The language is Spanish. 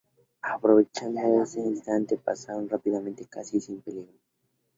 Aprovechando ese instante pasaron rápidamente, casi sin peligro.